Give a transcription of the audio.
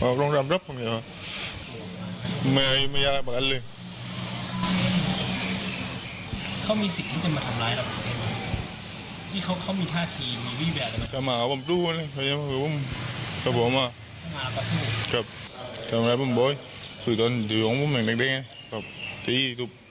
บอกกันว่าจะทำร้ายพันธุ์บ่อยคือต้นที่เราถึงตั้งเป็นแบบดังอันนี้